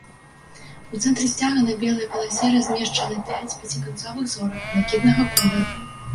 У цэнтры сцяга на белай паласе размешчана пяць пяціканцовых зорак блакітнага колеру.